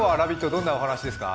どんなお話ですか？